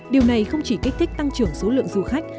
điều này không chỉ kích thích tăng trưởng số lượng du khách